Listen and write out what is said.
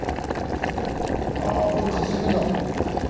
あこれ化石だ。